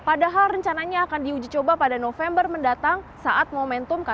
padahal rencananya akan diujicoba pada november mendatang saat momentum kttg dua puluh